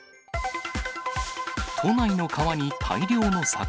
都内の川に大量の魚。